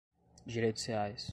direitos reais